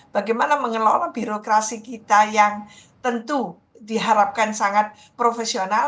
bagaimana mengelola birokrasi kita yang tentu diharapkan sangat profesional